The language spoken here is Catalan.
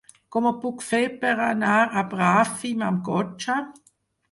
Com ho puc fer per anar a Bràfim amb cotxe?